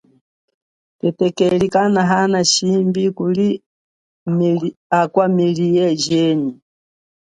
Thetekeli kanahana shimbi kuli akwa miliye jenyi.